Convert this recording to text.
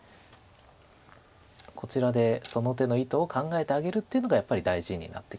こちらでその手の意図を考えてあげるっていうのがやっぱり大事になってきますよね。